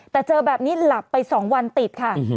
แต่เจอแบบนี้หลับไป๒วันติดค่ะ